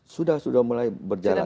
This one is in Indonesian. sudah mulai berjalan